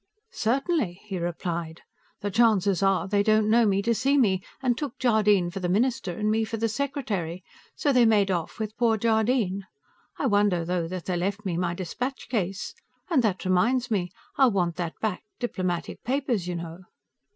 "Certainly," he replied. "The chances are they didn't know me to see me, and took Jardine for the minister, and me for the secretary, so they made off with poor Jardine. I wonder, though, that they left me my dispatch case. And that reminds me; I'll want that back. Diplomatic papers, you know."